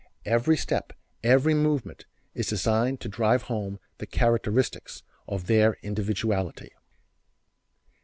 Every step, every movement is designed to drive home the characteristics of their individuality.